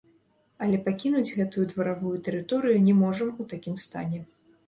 Але пакінуць гэтую дваравую тэрыторыю не можам у такім стане.